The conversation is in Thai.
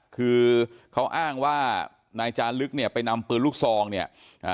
คือเขาอ้างว่านายจาลึกเนี่ยไปนำปืนลูกซองเนี่ยอ่า